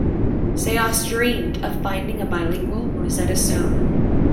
Sayce dreamed of finding a bilingual Rosetta Stone.